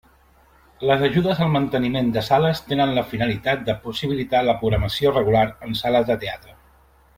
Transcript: Les ajudes al manteniment de sales tenen la finalitat de possibilitar la programació regular en sales de teatre.